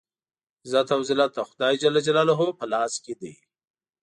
عزت او ذلت د خدای جل جلاله په لاس کې دی.